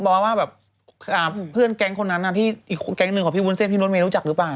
ว่าแบบเพื่อนแก๊งคนนั้นที่อีกแก๊งหนึ่งของพี่วุ้นเส้นพี่รถเมย์รู้จักหรือเปล่า